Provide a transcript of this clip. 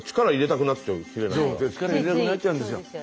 力入れたくなっちゃうんですよ